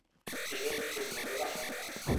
Era informador de Franco.